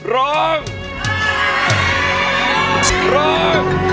ร้อง